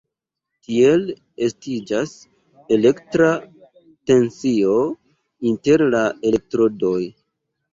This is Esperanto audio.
Tiel estiĝas elektra tensio inter la elektrodoj.